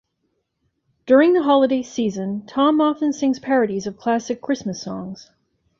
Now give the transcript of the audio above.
During the holiday season, Tom often sings parodies of classic Christmas songs.